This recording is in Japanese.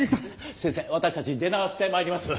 先生私たち出直してまいります。